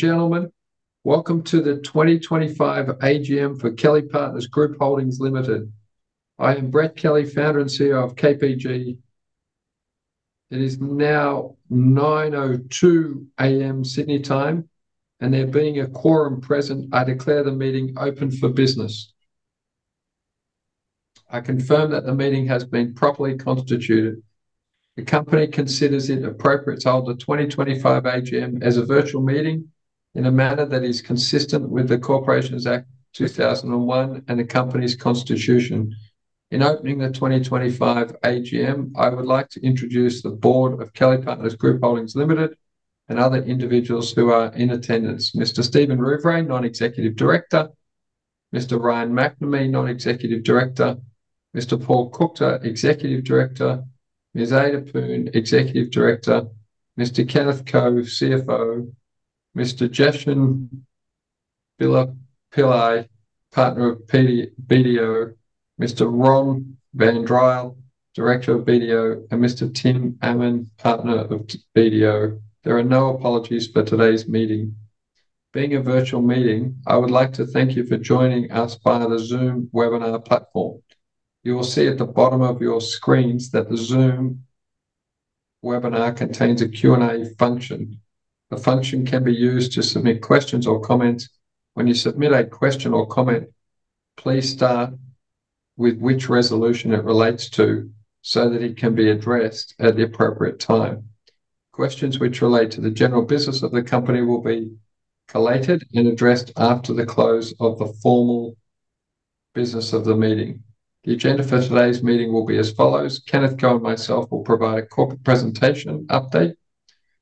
Gentlemen, welcome to the 2025 AGM for Kelly Partners Group Holdings Limited. I am Brett Kelly, founder and CEO of KPG. It is now 9:02 A.M. Sydney time, and there being a quorum present, I declare the meeting open for business. I confirm that the meeting has been properly constituted. The company considers it appropriate to hold the 2025 AGM as a virtual meeting in a manner that is consistent with the Corporations Act 2001 and the Company's Constitution. In opening the 2025 AGM, I would like to introduce the board of Kelly Partners Group Holdings Limited and other individuals who are in attendance: Mr. Steven Rouvray, Non-Executive Director; Mr. Ryan McNamee, Non-Executive Director; Mr. Paul Kuchta, Executive Director; Ms. Ada Poon, Executive Director; Mr. Kenneth Ko, CFO; Mr. Jesshen Biller-Pillay, Partner of BDO; Mr. Ron Van Dryle, Director of BDO; and Mr. Tim Ammon, Partner of BDO. There are no apologies for today's meeting. Being a virtual meeting, I would like to thank you for joining us via the Zoom Webinar Platform. You will see at the bottom of your screens that the Zoom webinar contains a Q&A function. The function can be used to submit questions or comments. When you submit a question or comment, please start with which resolution it relates to so that it can be addressed at the appropriate time. Questions which relate to the general business of the company will be collated and addressed after the close of the formal business of the meeting. The agenda for today's meeting will be as follows: Kenneth Ko and myself will provide a Corporate Presentation Update,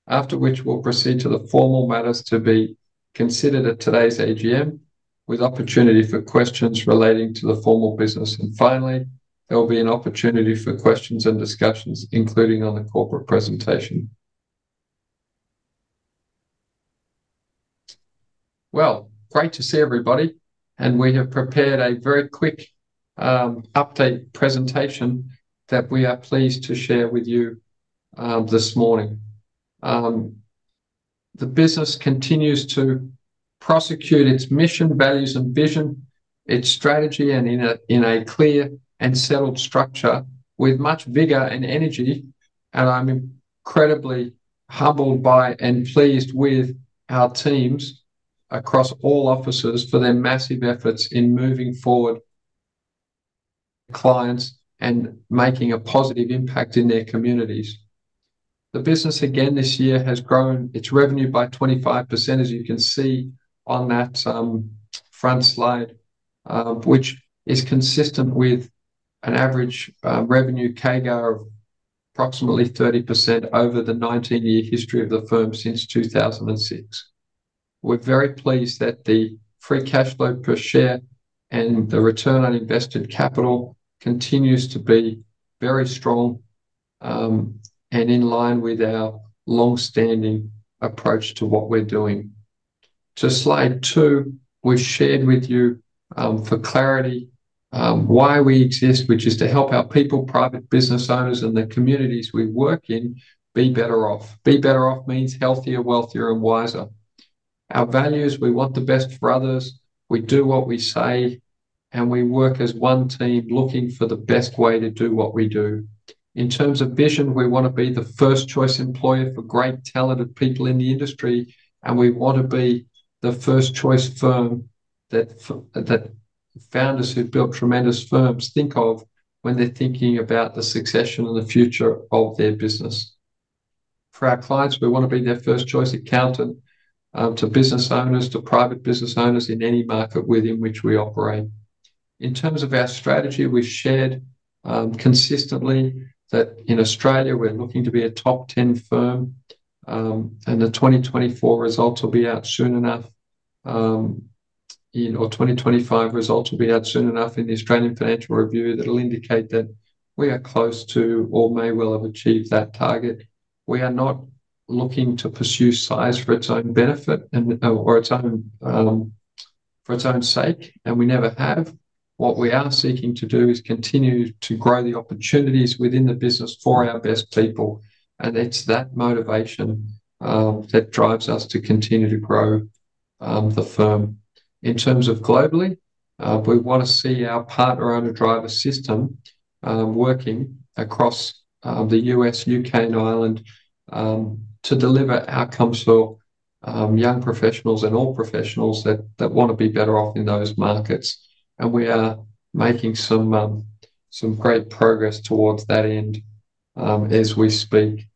after which we'll proceed to the formal matters to be considered at today's AGM, with opportunity for questions relating to the formal business. There will be an opportunity for questions and discussions, including on the corporate presentation. Great to see everybody, and we have prepared a very quick update presentation that we are pleased to share with you this morning. The business continues to prosecute its mission, values, and vision, its strategy in a clear and settled structure with much vigor and energy, and I'm incredibly humbled by and pleased with our teams across all offices for their massive efforts in moving forward, clients, and making a positive impact in their communities. The business, again this year, has grown its revenue by 25%, as you can see on that front slide, which is consistent with an average revenue CAGR of approximately 30% over the 19-year history of the firm since 2006. We're very pleased that the free cash flow per share and the return on invested capital continues to be very strong and in line with our long-standing approach to what we're doing. To slide two, we've shared with you for clarity why we exist, which is to help our people, private business owners, and the communities we work in be better off. Be better off means healthier, wealthier, and wiser. Our values: we want the best for others, we do what we say, and we work as one team looking for the best way to do what we do. In terms of vision, we want to be the first-choice employer for great talented people in the industry, and we want to be the first-choice firm that founders who built tremendous firms think of when they're thinking about the succession and the future of their business. For our clients, we want to be their first-choice accountant to business owners, to private business owners in any market within which we operate. In terms of our strategy, we've shared consistently that in Australia we're looking to be a top 10 firm, and the 2024 results will be out soon enough, or 2025 results will be out soon enough in the Australian Financial Review that will indicate that we are close to or may well have achieved that target. We are not looking to pursue size for its own benefit or its own for its own sake, and we never have. What we are seeking to do is continue to grow the opportunities within the business for our best people, and it's that motivation that drives us to continue to grow the firm. In terms of globally, we want to see our partner-owner driver system working across the U.S., U.K., and Ireland to deliver outcomes for young professionals and all professionals that want to be better off in those markets, and we are making some great progress towards that end as we speak.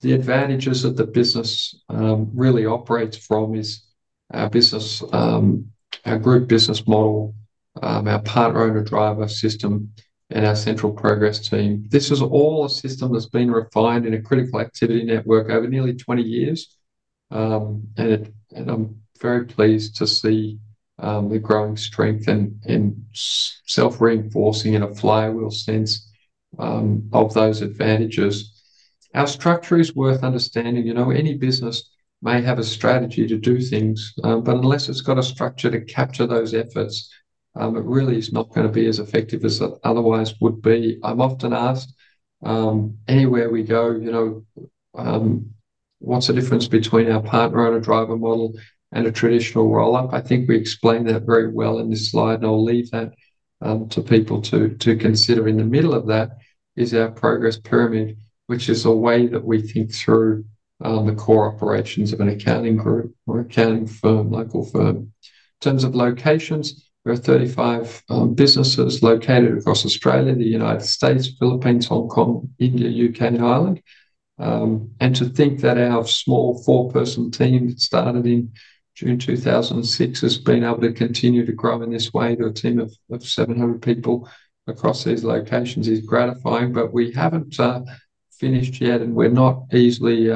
The advantages that the business really operates from is our group business model, our partner-owner driver system, and our central progress team. This is all a system that's been refined in a critical activity network over nearly 20 years, and I'm very pleased to see the growing strength and self-reinforcing in a flywheel sense of those advantages. Our structure is worth understanding. You know, any business may have a strategy to do things, but unless it's got a structure to capture those efforts, it really is not going to be as effective as it otherwise would be. I'm often asked anywhere we go, you know, what's the difference between our partner-owner driver model and a traditional roll-up? I think we explain that very well in this slide, and I'll leave that to people to consider. In the middle of that is our progress pyramid, which is a way that we think through the core operations of an accounting group or accounting firm, local firm. In terms of locations, there are 35 businesses located across Australia, the United States, Philippines, Hong Kong, India, U.K., and Ireland. To think that our small four-person team started in June 2006 has been able to continue to grow in this way to a team of 700 people across these locations is gratifying, but we haven't finished yet, and we're not easily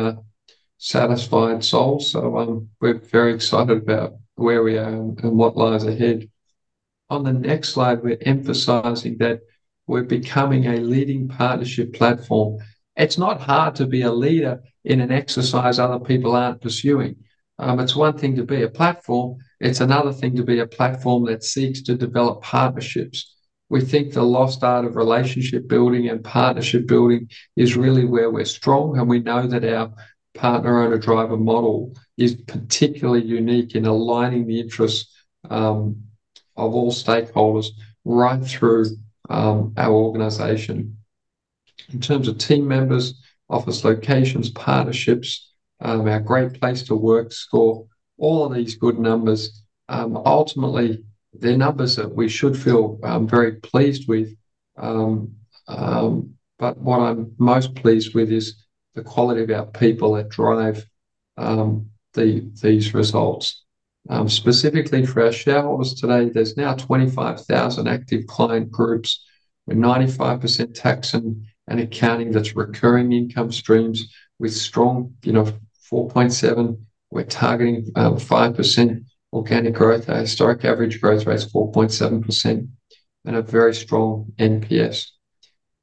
satisfied souls, so we're very excited about where we are and what lies ahead. On the next slide, we're emphasizing that we're becoming a Leading Prtnership Platform. It's not hard to be a leader in an exercise other people aren't pursuing. It's one thing to be a platform. It's another thing to be a platform that seeks to develop partnerships. We think the lost art of relationship building and partnership building is really where we're strong, and we know that our partner-owner driver model is particularly unique in aligning the interests of all stakeholders right through our organization. In terms of team members, office locations, partnerships, our great place to work score, all of these good numbers, ultimately they're numbers that we should feel very pleased with, but what I'm most pleased with is the quality of our people that drive these results. Specifically for our shareholders today, there's now 25,000 active client groups. We're 95% tax and accounting. That's recurring income streams with strong, you know, 4.7. We're targeting 5% organic growth. Our historic average growth rate is 4.7% and a very strong NPS.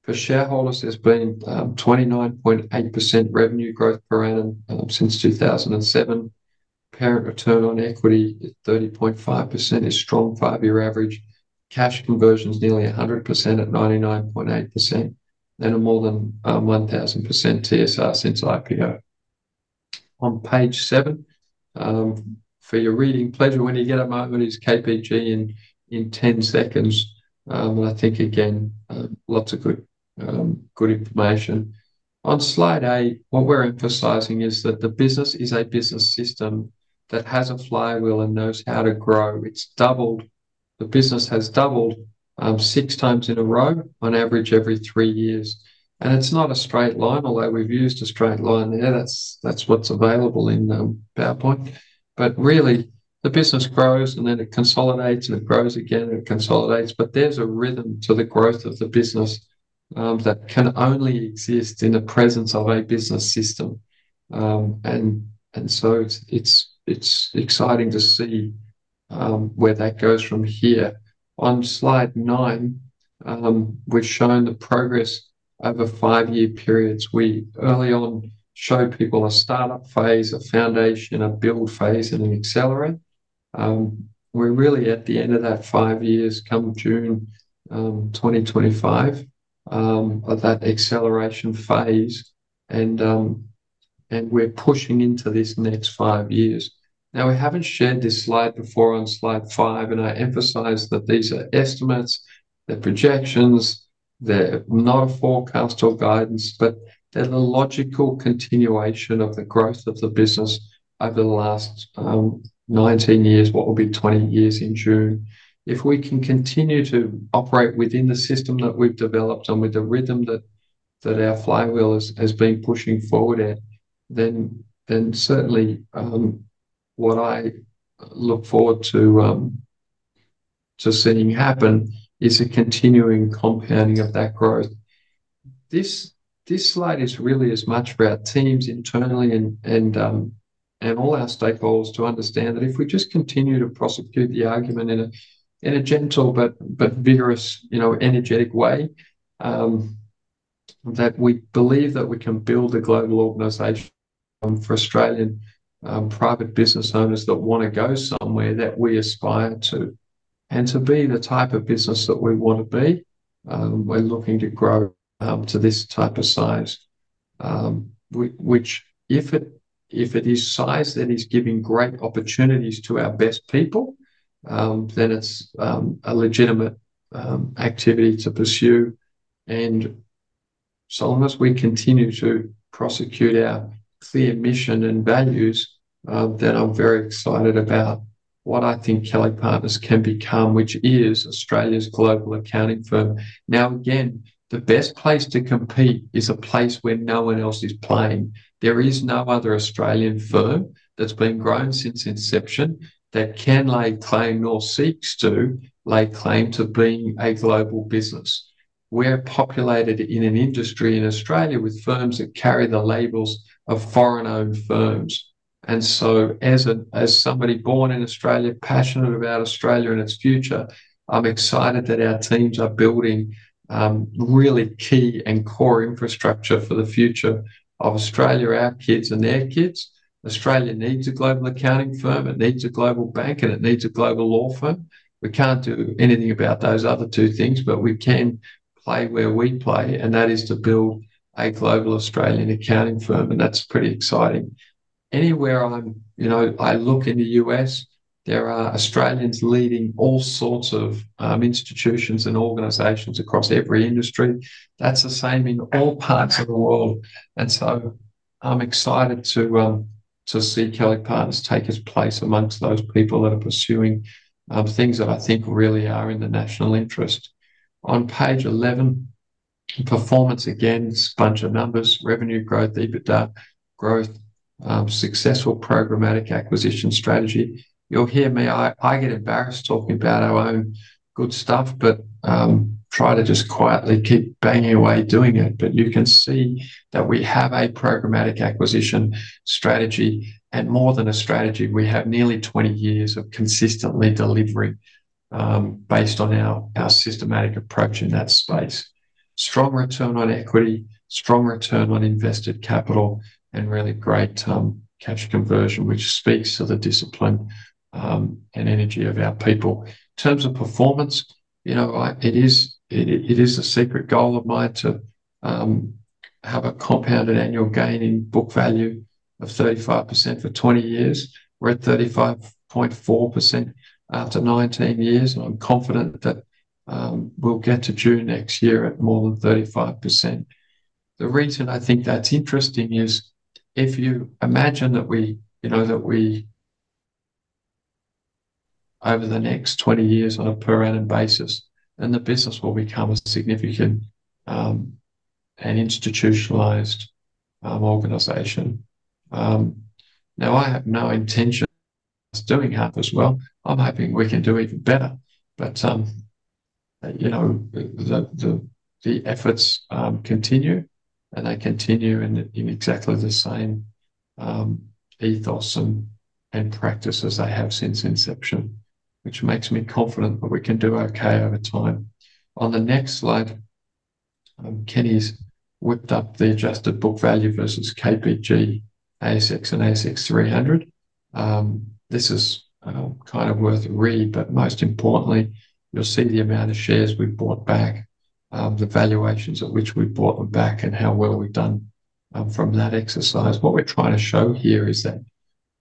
For shareholders, there's been 29.8% revenue growth per annum since 2007. Parent return on equity is 30.5%, a strong five-year average. Cash conversion is nearly 100% at 99.8%, and a more than 1,000% TSR since IPO. On page seven, for your reading pleasure, when you get a moment, it's KPG in 10 seconds, and I think, again, lots of good information. On slide eight, what we're emphasizing is that the business is a business system that has a flywheel and knows how to grow. It's doubled. The business has doubled six times in a row on average every three years, and it's not a straight line, although we've used a straight line there. That's what's available in PowerPoint, but really the business grows, and then it consolidates, and it grows again, and it consolidates, but there's a rhythm to the growth of the business that can only exist in the presence of a Business System, and so it's exciting to see where that goes from here. On slide nine, we've shown the progress over five-year periods. We early on showed people a startup phase, a foundation, a build phase, and an accelerate. We're really at the end of that five years, come June 2025, of that acceleration phase, and we're pushing into this next five years. Now, we haven't shared this slide before on slide five, and I emphasize that these are estimates. They're projections. They're not a forecast or guidance, but they're the logical continuation of the growth of the business over the last 19 years, what will be 20 years in June. If we can continue to operate within the system that we've developed and with the rhythm that our flywheel has been pushing forward at, then certainly what I look forward to seeing happen is a continuing compounding of that growth. This slide is really as much for our teams internally and all our stakeholders to understand that if we just continue to prosecute the argument in a gentle but vigorous, energetic way, that we believe that we can build a Global Organization for Australian private business owners that want to go somewhere that we aspire to. To be the type of business that we want to be, we're looking to grow to this type of size, which, if it is size that is giving great opportunities to our best people, then it's a legitimate activity to pursue. So long as we continue to prosecute our clear mission and values, then I'm very excited about what I think Kelly Partners can become, which is Australia's Global Accounting Firm. The best place to compete is a place where no one else is playing. There is no other Australian firm that's been grown since inception that can lay claim nor seeks to lay claim to being a Global Business. We're populated in an industry in Australia with firms that carry the labels of foreign-owned firms. As somebody born in Australia, passionate about Australia and its future, I'm excited that our teams are building really key and core infrastructure for the future of Australia, our kids, and their kids. Australia needs a Global Accounting Firm. It needs a Global Bank, and it needs a Global Law Firm. We can't do anything about those other two things, but we can play where we play, and that is to build a Global Australian Accounting Firm, and that's pretty exciting. Anywhere I look in the U.S., there are Australians leading all sorts of institutions and organizations across every industry. That's the same in all parts of the world, and so I'm excited to see Kelly Partners take its place amongst those people that are pursuing things that I think really are in the national interest. On page 11, performance again, a bunch of numbers, Revenue Growth, EBITDA Growth, successful programmatic acquisition strategy. You'll hear me, I get embarrassed talking about our own good stuff, but try to just quietly keep banging away doing it, but you can see that we have a Programmatic Acquisition Strategy, and more than a strategy. We have nearly 20 years of consistently delivering based on our systematic approach in that space. Strong return on equity, strong return on invested capital, and really great cash conversion, which speaks to the discipline and energy of our people. In terms of performance, you know, it is a secret goal of mine to have a compounded annual gain in book value of 35% for 20 years. We're at 35.4% after 19 years, and I'm confident that we'll get to June next year at more than 35%. The reason I think that's interesting is if you imagine that we, you know, that we over the next 20 years on a per annum basis, then the business will become a significant and institutionalized organization. Now, I have no intention of doing half as well. I'm hoping we can do even better, but you know, the efforts continue, and they continue in exactly the same ethos and practices they have since inception, which makes me confident that we can do okay over time. On the next slide, Kenny's whipped up the adjusted book value versus KPG, ASX, and ASX 300. This is kind of worth a read, but most importantly, you'll see the amount of shares we've bought back, the valuations at which we bought them back, and how well we've done from that exercise. What we're trying to show here is that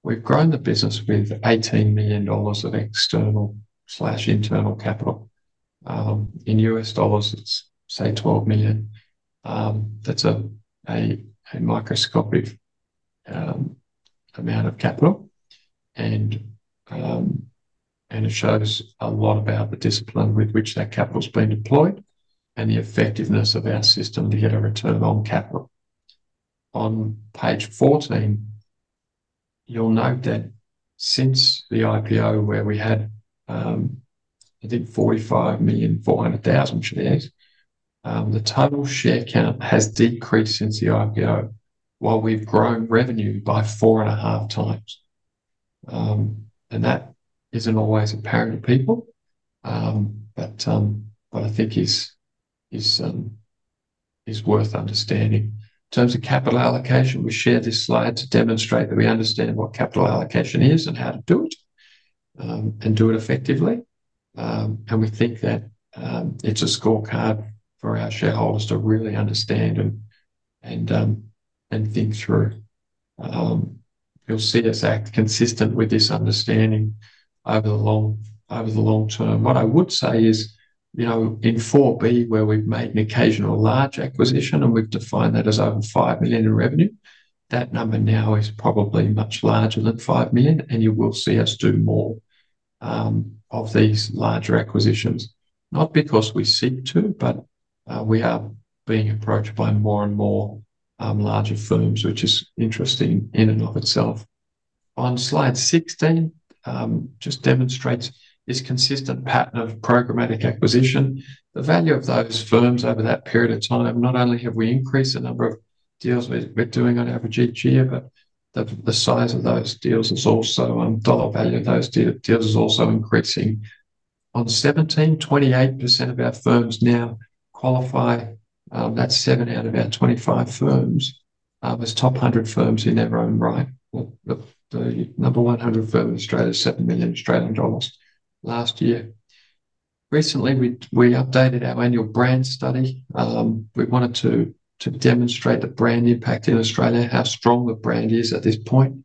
we've grown the business with 18 million dollars of external/internal capital. In US dollars, it's say $12 million. That's a microscopic amount of capital, and it shows a lot about the discipline with which that capital's been deployed and the effectiveness of our system to get a return on capital. On page 14, you'll note that since the IPO, where we had, I think, 45,400,000 shares, the total share count has decreased since the IPO, while we've grown revenue by four and a half times. That isn't always apparent to people, but I think is worth understanding. In terms of capital allocation, we share this slide to demonstrate that we understand what capital allocation is and how to do it and do it effectively, and we think that it's a scorecard for our shareholders to really understand and think through. You'll see us act consistent with this understanding over the long term. What I would say is, you know, in 4B, where we've made an occasional large acquisition, and we've defined that as over $5 million in revenue, that number now is probably much larger than $5 million, and you will see us do more of these larger acquisitions, not because we seek to, but we are being approached by more and more larger firms, which is interesting in and of itself. On slide 16, just demonstrates this consistent pattern of programmatic acquisition. The value of those firms over that period of time, not only have we increased the number of deals we're doing on average each year, but the size of those deals is also dollar value of those deals is also increasing. On 17, 28% of our firms now qualify. That's seven out of our 25 firms. are top 100 firms in their own right. The number 100 firm in Australia is 7 million Australian dollars last year. Recently, we updated our annual brand study. We wanted to demonstrate the brand impact in Australia, how strong the brand is at this point.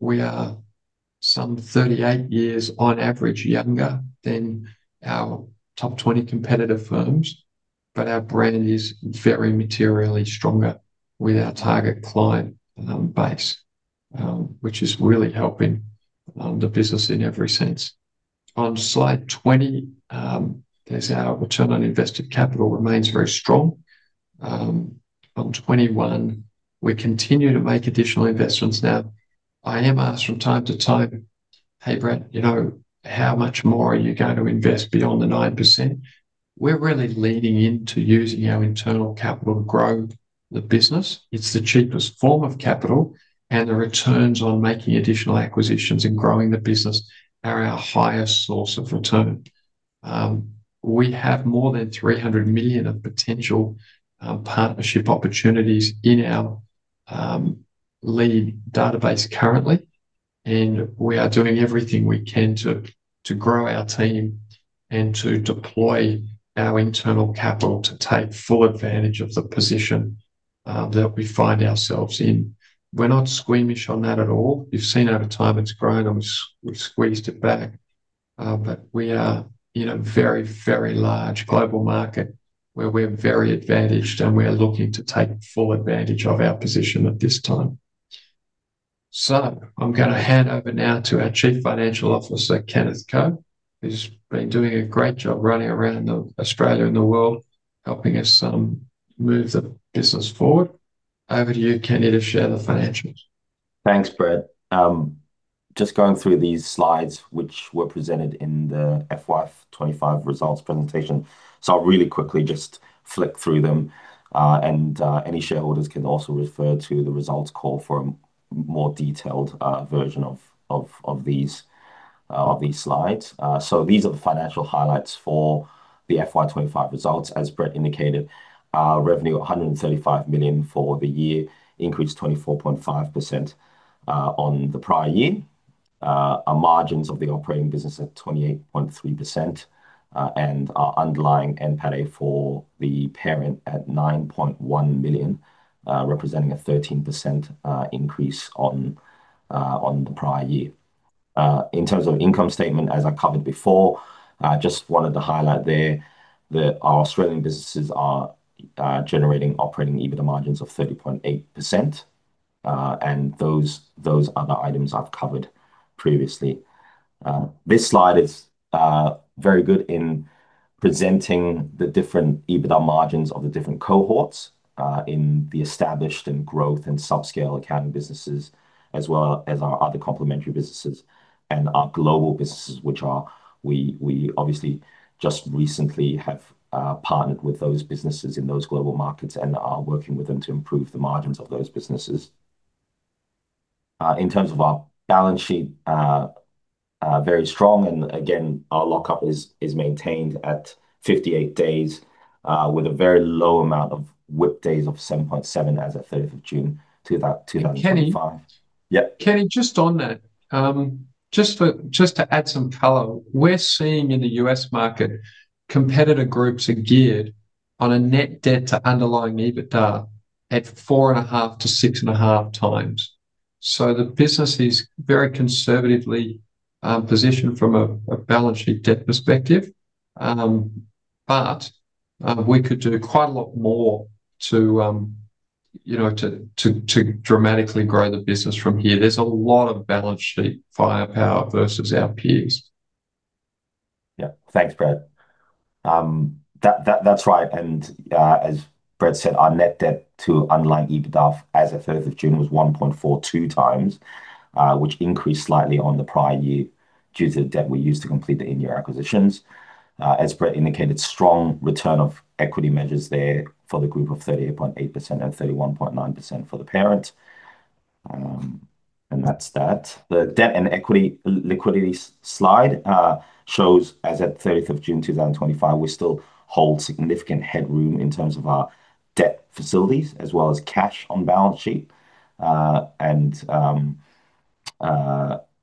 We are some 38 years on average younger than our top 20 competitive firms, but our brand is very materially stronger with our target client base, which is really helping the business in every sense. On slide 20, our return on invested capital remains very strong. On 21, we continue to make additional investments. Now, I am asked from time to time, "Hey, Brett, you know, how much more are you going to invest beyond the 9%?" We are really leaning into using our internal capital to grow the business. It's the cheapest form of capital, and the returns on making additional acquisitions and growing the business are our highest source of return. We have more than 300 million of potential partnership opportunities in our lead database currently, and we are doing everything we can to grow our team and to deploy our internal capital to take full advantage of the position that we find ourselves in. We're not squeamish on that at all. You've seen over time it's grown, and we've squeezed it back, but we are in a very, very large global market where we're very advantaged, and we're looking to take full advantage of our position at this time. I'm going to hand over now to our Chief Financial Officer, Kenneth Ko, who's been doing a great job running around Australia and the world, helping us move the business forward. Over to you, Kenny, to share the financials. Thanks, Brett. Just going through these slides, which were presented in the FY25 results presentation, I will really quickly just flick through them, and any shareholders can also refer to the results call for a more detailed version of these slides. These are the financial highlights for the FY25 results. As Brett indicated, revenue 135 million for the year, increased 24.5% on the prior year. Our margins of the operating business at 28.3%, and our underlying NPATE for the parent at 9.1 million, representing a 13% increase on the prior year. In terms of income statement, as I covered before, I just wanted to highlight there that our Australian businesses are generating operating EBITDA margins of 30.8%, and those other items I have covered previously. This slide is very good in presenting the different EBITDA margins of the different cohorts in the established and growth and subscale accounting businesses, as well as our other complementary businesses and our global businesses, which we obviously just recently have partnered with those businesses in those global markets and are working with them to improve the margins of those businesses. In terms of our balance sheet, very strong, and again, our lockup is maintained at 58 days with a very low amount of WIP days of 7.7 as of 30 June 2025. Yeah. Kenny, just on that, just to add some color, we're seeing in the US market competitor groups are geared on a net debt to underlying EBITDA at four and a half to six and a half times. The business is very conservatively positioned from a balance sheet debt perspective, but we could do quite a lot more to dramatically grow the business from here. There is a lot of balance sheet firepower versus our peers. Yeah, thanks, Brett. That's right. As Brett said, our net debt to underlying EBITDA as of 30 June was 1.42 times, which increased slightly on the prior year due to the debt we used to complete the in-year acquisitions. As Brett indicated, strong return on equity measures there for the group of 38.8% and 31.9% for the parent. That's that. The debt and equity liquidity slide shows, as of 30 June 2025, we still hold significant headroom in terms of our debt facilities as well as cash on balance sheet.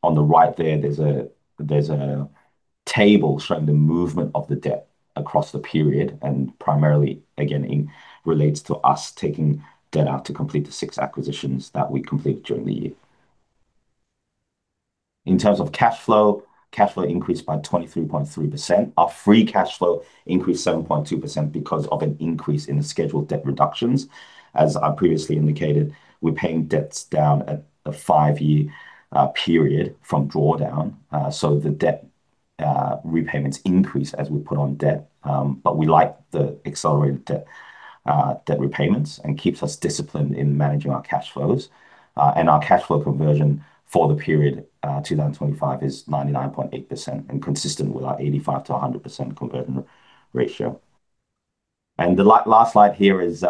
On the right there, there's a table showing the movement of the debt across the period, and primarily, again, relates to us taking debt out to complete the six acquisitions that we completed during the year. In terms of cash flow, cash flow increased by 23.3%. Our free cash flow increased 7.2% because of an increase in the scheduled debt reductions. As I previously indicated, we're paying debts down at a five-year period from drawdown, so the debt repayments increase as we put on debt, but we like the accelerated debt repayments and it keeps us disciplined in managing our cash flows. Our cash flow conversion for the period 2025 is 99.8% and consistent with our 85-100% conversion ratio. The last slide here is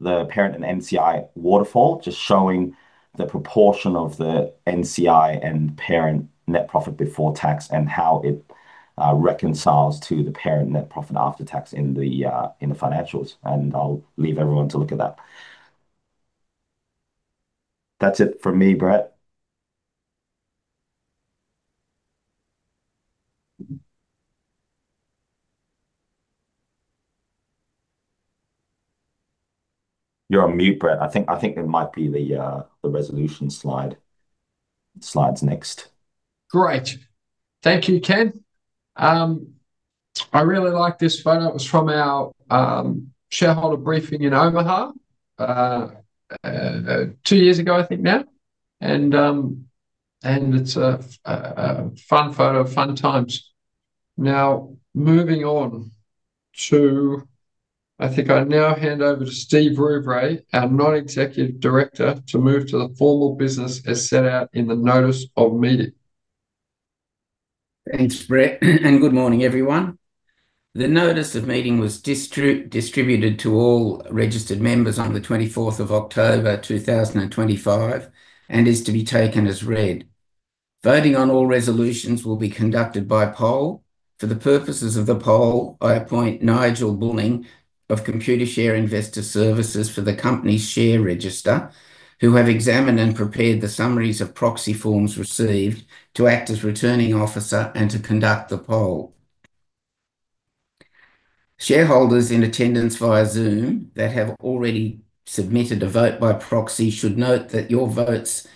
the Parent and NCI Waterfall, just showing the proportion of the NCI and Parent Net Profit before tax and how it reconciles to the Parent Net Profit after tax in the financials. I'll leave everyone to look at that. That's it for me, Brett. You're on mute, Brett. I think it might be the resolution slides next. Great. Thank you, Ken. I really like this photo. It was from our shareholder briefing in Omaha two years ago, I think now. It's a fun photo of fun times. Now, moving on to, I think I now hand over to Stephen Rouvray, our Non-Executive Director, to move to the formal business as set out in the notice of meeting. Thanks, Brett. Good morning, everyone. The notice of meeting was distributed to all registered members on the 24th of October 2025 and is to be taken as read. Voting on all resolutions will be conducted by poll. For the purposes of the poll, I appoint Nigel Bulling of Computer Share Investor Services for the company's share register, who have examined and prepared the summaries of proxy forms received to act as returning officer and to conduct the poll. Shareholders in attendance via Zoom that have already submitted a vote by proxy should note that your votes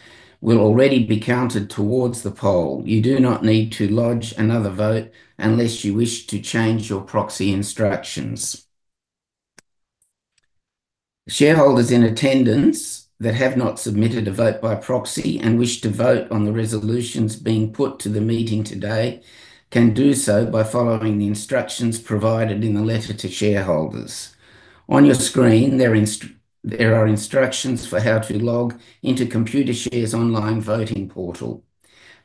will already be counted towards the poll. You do not need to lodge another vote unless you wish to change your proxy instructions. Shareholders in attendance that have not submitted a vote by proxy and wish to vote on the resolutions being put to the meeting today can do so by following the instructions provided in the letter to shareholders. On your screen, there are instructions for how to log into Computer Share Online Voting Portal.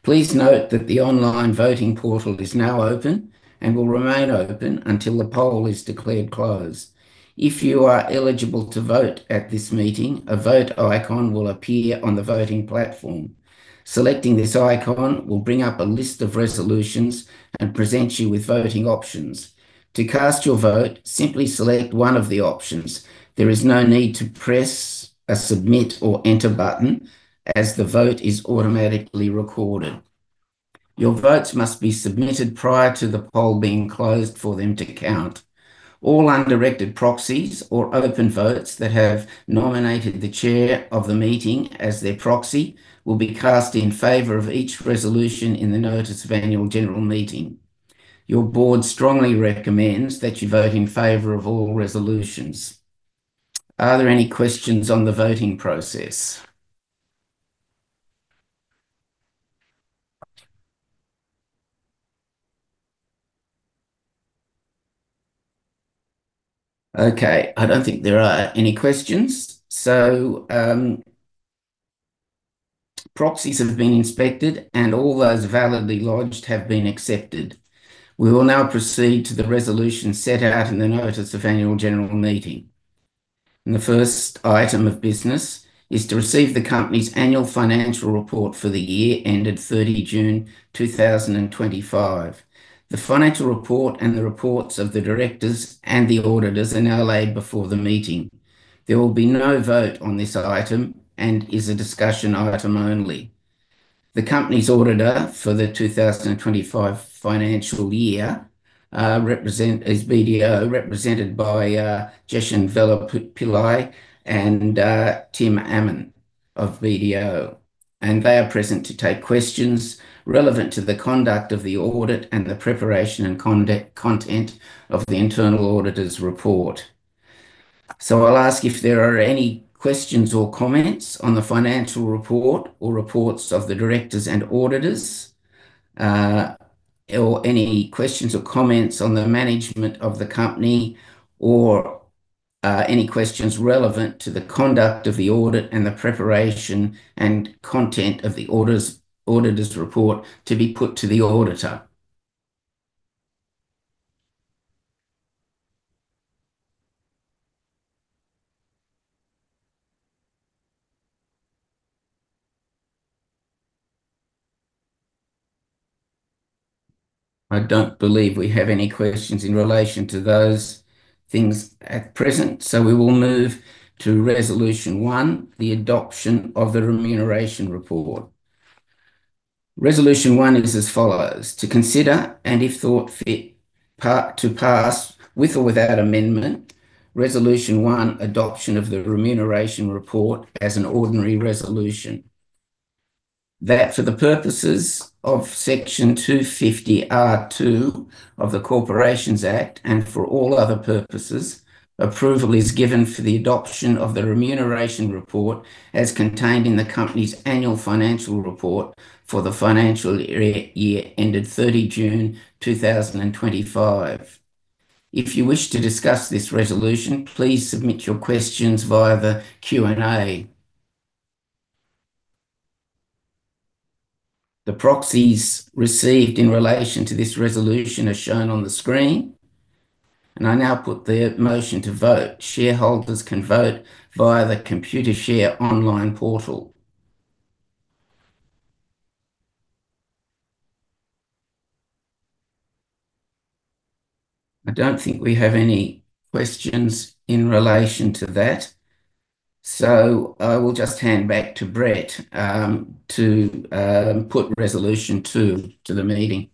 Please note that the online voting portal is now open and will remain open until the poll is declared closed. If you are eligible to vote at this meeting, a vote icon will appear on the voting platform. Selecting this icon will bring up a list of resolutions and present you with voting options. To cast your vote, simply select one of the options. There is no need to press a submit or enter button as the vote is automatically recorded. Your votes must be submitted prior to the poll being closed for them to count. All undirected proxies or open votes that have nominated the chair of the meeting as their proxy will be cast in favor of each resolution in the notice of Annual General Meeting. Your board strongly recommends that you vote in favor of all resolutions. Are there any questions on the voting process? Okay, I don't think there are any questions. Proxies have been inspected, and all those validly lodged have been accepted. We will now proceed to the resolutions set out in the notice of Annual General Meeting. The first item of business is to receive the company's annual financial report for the year ended 30 June 2025. The financial report and the reports of the directors and the auditors are now laid before the meeting. There will be no vote on this item and it is a discussion item only. The company's auditor for the 2025 financial year is BDO, represented by Jesshen Biller-Pillay and Tim Ammon of BDO. They are present to take questions relevant to the conduct of the audit and the preparation and content of the Auditor's Report. I'll ask if there are any questions or comments on the financial report or reports of the directors and auditors, or any questions or comments on the management of the company, or any questions relevant to the conduct of the audit and the preparation and content of the auditor's report to be put to the auditor. I don't believe we have any questions in relation to those things at present, we will move to resolution one, the adoption of the remuneration report. Resolution one is as follows: to consider, and if thought fit, to pass with or without amendment, resolution one adoption of the Remuneration Report as an Ordinary Resolution. That for the purposes of section 250(a)(2) of the Corporations Act and for all other purposes, approval is given for the adoption of the Remuneration Report as contained in the Company's Annual Financial Report for the financial year ended 30 June 2025. If you wish to discuss this resolution, please submit your questions via the Q&A. The proxies received in relation to this resolution are shown on the screen. I now put the motion to vote. Shareholders can vote via the Computer Share Online Portal. I don't think we have any questions in relation to that. I will just hand back to Brett to put resolution two to the meeting.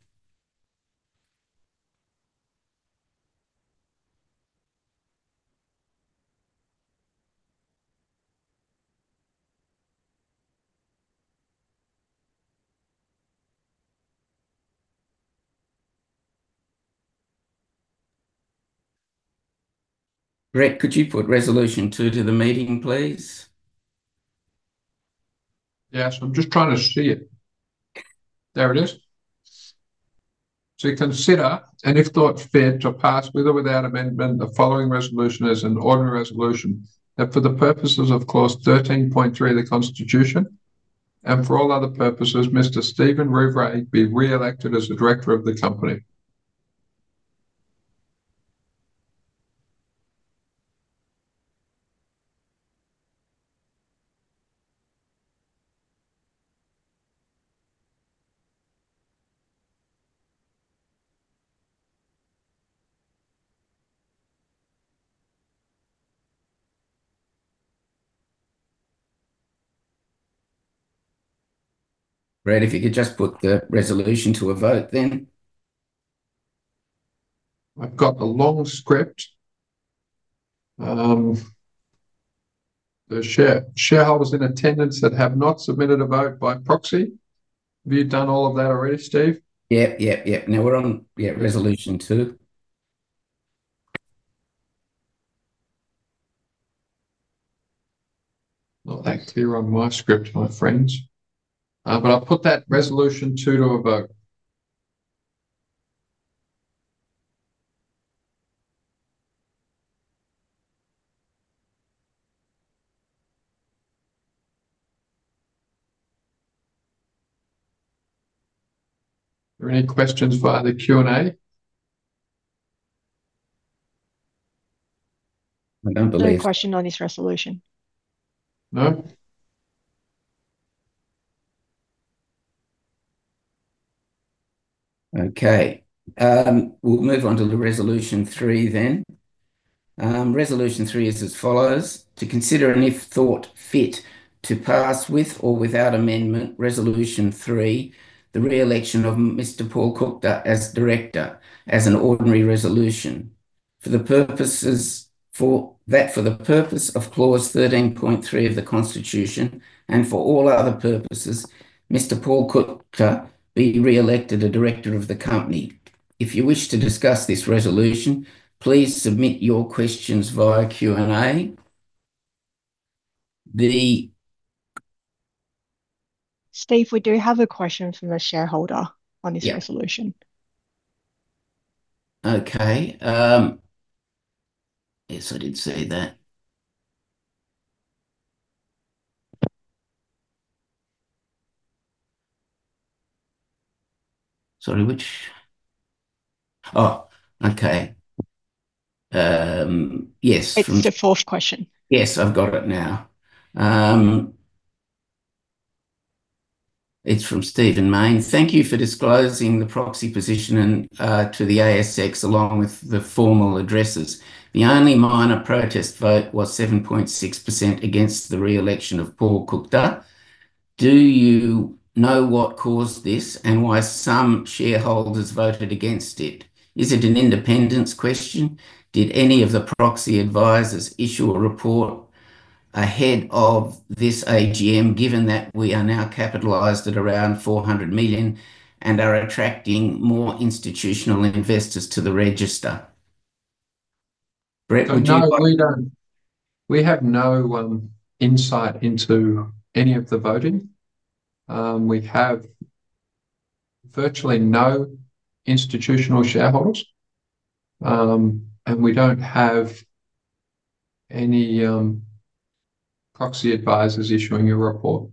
Brett, could you put resolution two to the meeting, please? Yes, I'm just trying to see it. There it is. To consider, and if thought fit, to pass with or without amendment, the following resolution as an ordinary resolution that for the purposes of clause 13.3 of the Constitution and for all other purposes, Mr. Steven Rouvray be re-elected as the Director of the Company. Brett, if you could just put the resolution to a vote then. I've got the long script. The shareholders in attendance that have not submitted a vote by proxy, have you done all of that already, Steph? Yeah, yeah, yeah. Now we're on, yeah, resolution two. Not that clear on my script, my friends. But I've put that resolution two to a vote. Any questions via the Q&A? I don't believe. Any question on this resolution? No. Okay. We'll move on to resolution three then. Resolution three is as follows: to consider and if thought fit to pass with or without Amendment, Resolution Three, the Re-election of Mr. Paul Kuchta as Director as an Ordinary Resolution. For the purposes of that, for the purpose of clause 13.3 of the Constitution and for all other purposes, Mr. Paul Kuchta be Re-elected a director of the company. If you wish to discuss this resolution, please submit your questions via Q&A. Steph, we do have a question from the shareholder on this resolution. Okay. Yes, I did see that. Sorry, which? Oh, okay. Yes. It's the fourth question. Yes, I've got it now. It's from Steven Main. Thank you for disclosing the proxy position to the ASX along with the formal addresses. The only minor protest vote was 7.6% against the re-election of Paul Kuchta. Do you know what caused this and why some shareholders voted against it? Is it an independence question? Did any of the proxy advisors issue a report ahead of this AGM, given that we are now capitalized at around 400 million and are attracting more institutional investors to the register? Brett, would you? We have no insight into any of the voting. We have virtually no institutional shareholders, and we do not have any proxy advisors issuing a report.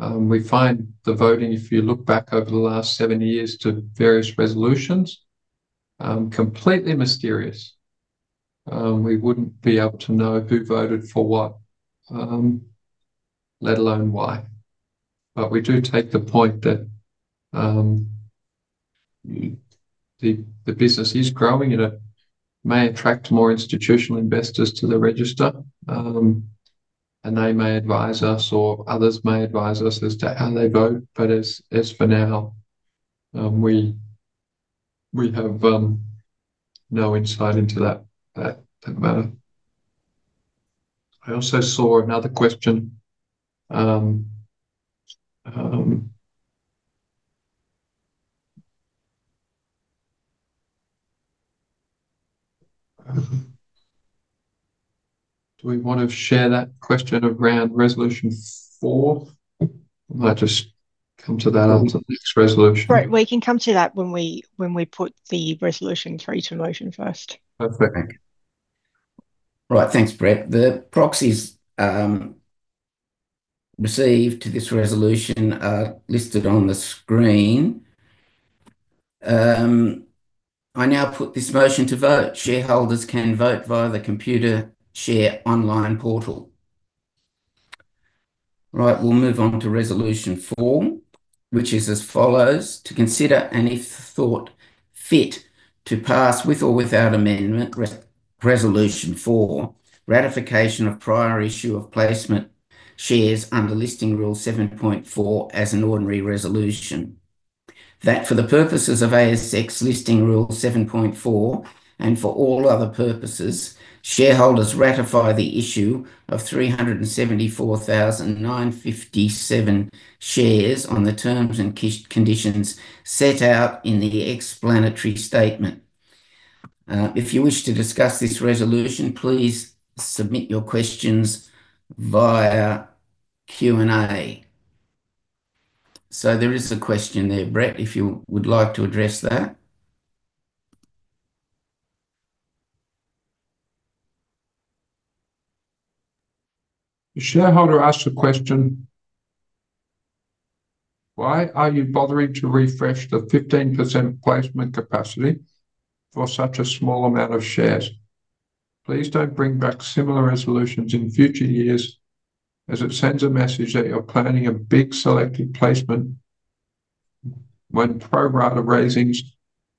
We find the voting, if you look back over the last seven years to various resolutions, completely mysterious. We would not be able to know who voted for what, let alone why. We do take the point that the business is growing and it may attract more institutional investors to the register, and they may advise us or others may advise us as to how they vote. As for now, we have no insight into that matter. I also saw another question. Do we want to share that question around resolution four? I'll just come to that after the next resolution. Right. We can come to that when we put the resolution three to a motion first. Perfect. Right.Thanks, Brett. The proxies received to this resolution are listed on the screen. I now put this motion to vote. Shareholders can vote via the Computer Share Online Portal. Right. We'll move on to resolution four, which is as follows: to consider and if thought fit to pass with or without amendment, resolution four, ratification of prior issue of placement shares under listing rule 7.4 as an ordinary resolution. That for the purposes of ASX Listing Rule 7.4 and for all other purposes, shareholders ratify the issue of 374,957 shares on the terms and conditions set out in the explanatory statement. If you wish to discuss this resolution, please submit your questions via Q&A. There is a question there, Brett, if you would like to address that. The shareholder asked a question. Why are you bothering to refresh the 15% placement capacity for such a small amount of shares? Please do not bring back similar resolutions in future years as it sends a message that you are planning a big selective placement when Pro Rata raisings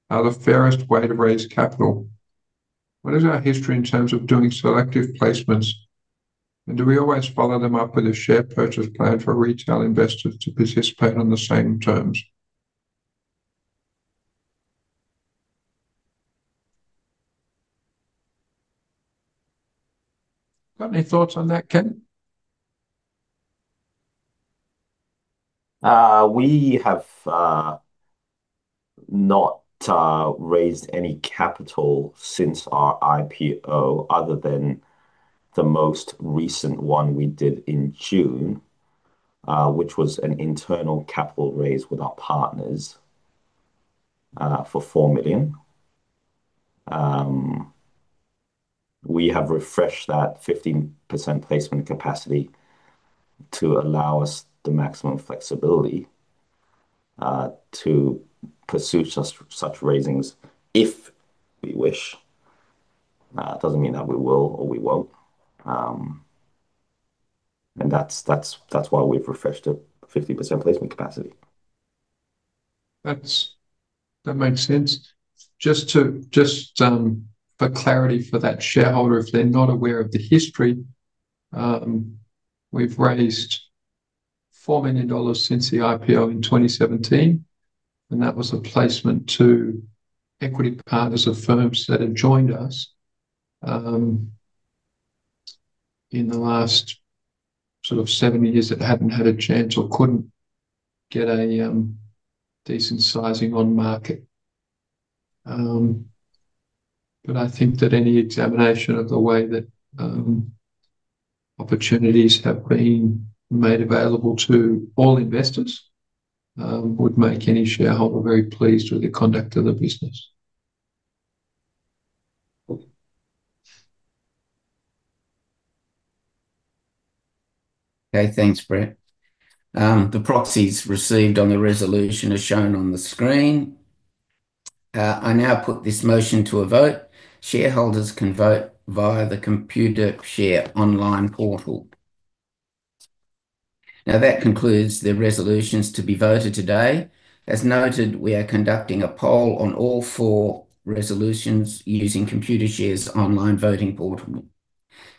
are the fairest way to raise capital. What is our history in terms of doing selective placements, and do we always follow them up with a share purchase plan for retail investors to participate on the same terms? Got any thoughts on that, Ken? We have not raised any capital since our IPO other than the most recent one we did in June, which was an internal capital raise with our partners for $4 million. We have refreshed that 15% placement capacity to allow us the maximum flexibility to pursue such raisings if we wish. It does not mean that we will or we will not. That is why we have refreshed the 15% placement capacity. That makes sense. Just for clarity for that shareholder, if they are not aware of the history, we have raised $4 million since the IPO in 2017, and that was a placement to equity partners of firms that had joined us in the last sort of seven years that had not had a chance or could not get a decent sizing on market. I think that any examination of the way that opportunities have been made available to all investors would make any shareholder very pleased with the conduct of the business. Okay. Thanks, Brett. The proxies received on the resolution are shown on the screen. I now put this motion to a vote. Shareholders can vote via the Computer Share Online Portal. Now, that concludes the resolutions to be voted today. As noted, we are conducting a poll on all four resolutions using Computer Share's Online Voting Portal.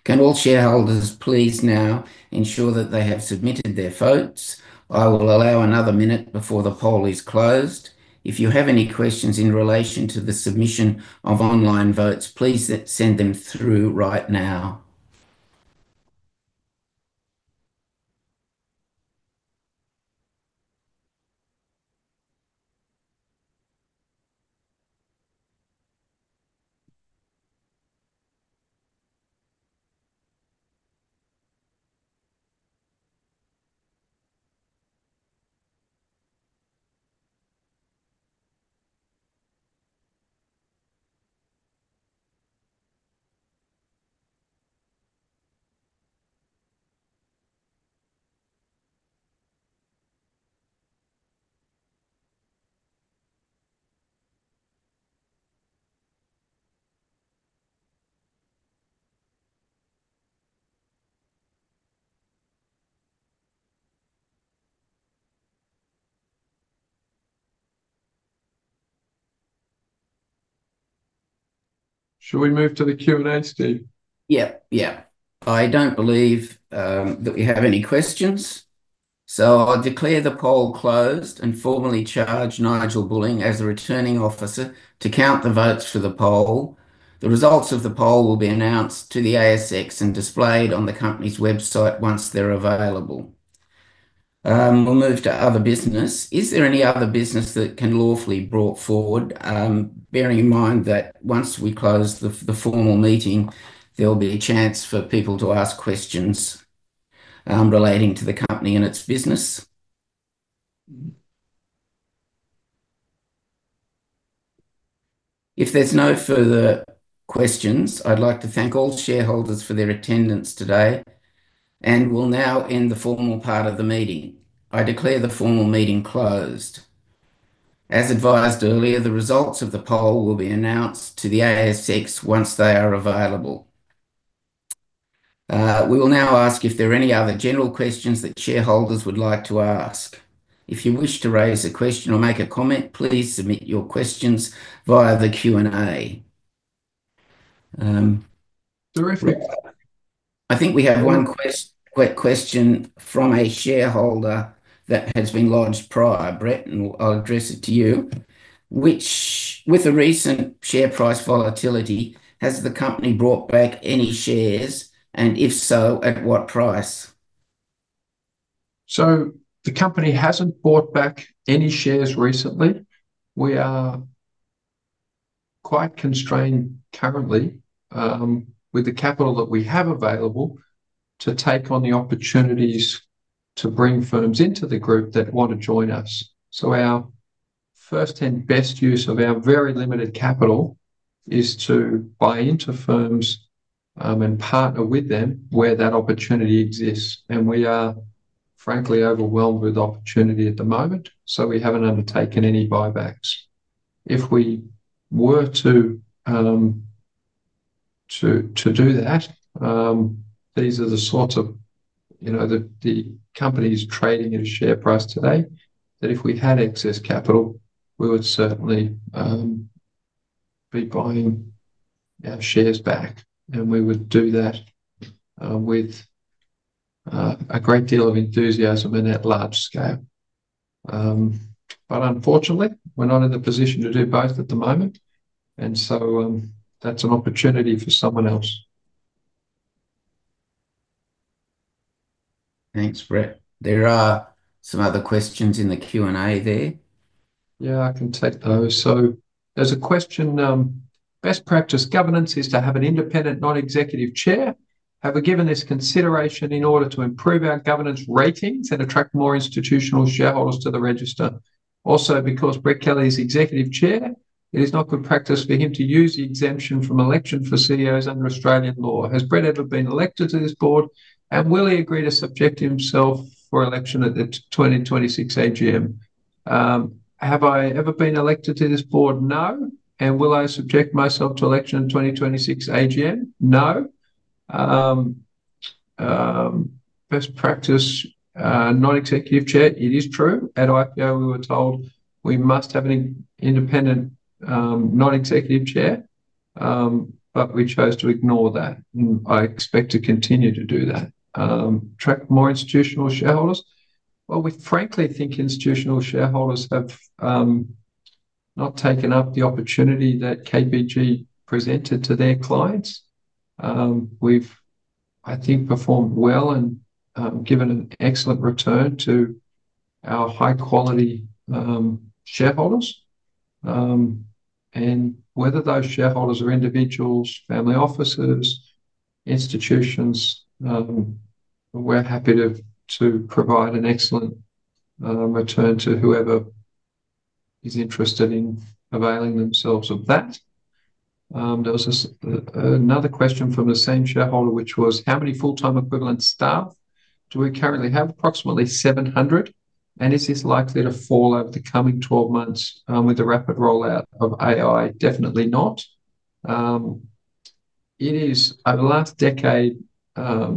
Can all shareholders please now ensure that they have submitted their votes? I will allow another minute before the poll is closed. If you have any questions in relation to the submission of online votes, please send them through right now. Shall we move to the Q&A, Steve? Yeah, yeah. I don't believe that we have any questions. I declare the poll closed and formally charge Nigel Bulling as a returning officer to count the votes for the poll. The results of the poll will be announced to the ASX and displayed on the Company's Website once they're available. We'll move to other business. Is there any other business that can lawfully be brought forward, bearing in mind that once we close the formal meeting, there'll be a chance for people to ask questions relating to the company and its business? If there's no further questions, I'd like to thank all shareholders for their attendance today. We'll now end the formal part of the meeting. I declare the formal meeting closed. As advised earlier, the results of the poll will be announced to the ASX once they are available. We will now ask if there are any other general questions that shareholders would like to ask. If you wish to raise a question or make a comment, please submit your questions via the Q&A. Terrific. I think we have one question from a shareholder that has been lodged prior, Brett, and I'll address it to you. With the recent share price volatility, has the company brought back any shares, and if so, at what price? The company hasn't bought back any shares recently. We are quite constrained currently with the capital that we have available to take on the opportunities to bring firms into the group that want to join us. Our first and best use of our very limited capital is to buy into firms and partner with them where that opportunity exists. We are, frankly, overwhelmed with opportunity at the moment, so we haven't undertaken any buybacks. If we were to do that, these are the sorts of the company is trading at a share price today, that if we had excess capital, we would certainly be buying our shares back, and we would do that with a great deal of enthusiasm and at large scale. Unfortunately, we're not in the position to do both at the moment, and so that's an opportunity for someone else. Thanks, Brett. There are some other questions in the Q&A there. Yeah, I can take those. So there's a question. Best practice governance is to have an independent, non-executive chair. Have we given this consideration in order to improve our governance ratings and attract more institutional shareholders to the register? Also, because Brett Kelly is executive chair, it is not good practice for him to use the exemption from election for CEO's under Australian Law. Has Brett ever been elected to this board, and will he agree to subject himself for election at the 2026 AGM? Have I ever been elected to this board? No. And will I subject myself to election in 2026 AGM? No. Best practice non-executive chair, it is true. At IPO, we were told we must have an independent non-executive chair, but we chose to ignore that, and I expect to continue to do that. Attract more institutional shareholders? We frankly think institutional shareholders have not taken up the opportunity that KPG presented to their clients. We've, I think, performed well and given an excellent return to our high-quality shareholders. Whether those shareholders are individuals, family offices, institutions, we're happy to provide an excellent return to whoever is interested in availing themselves of that. There was another question from the same shareholder, which was, how many full-time equivalent staff do we currently have? Approximately 700. Is this likely to fall over the coming 12 months with the rapid rollout of AI? Definitely not. Over the last decade, there